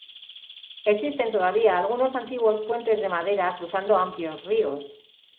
Existen todavía algunos antiguos puentes de madera cruzando amplios ríos.